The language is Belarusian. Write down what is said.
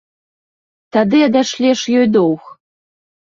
Тады адашлеш ёй доўг.